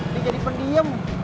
dia jadi pendiem